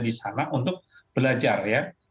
di sana untuk belajar